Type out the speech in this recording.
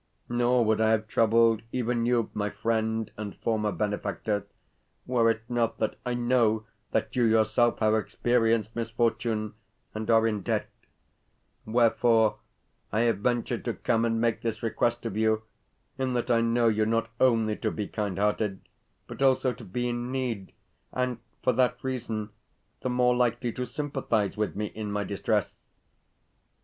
Nor would I have troubled even you, my friend and former benefactor, were it not that I know that you yourself have experienced misfortune and are in debt; wherefore, I have ventured to come and make this request of you, in that I know you not only to be kind hearted, but also to be in need, and for that reason the more likely to sympathise with me in my distress."